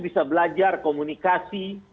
bisa belajar komunikasi